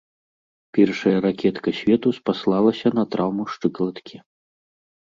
Першая ракетка свету спаслалася на траўму шчыкалаткі.